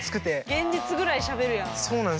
現実ぐらいしゃべるやん。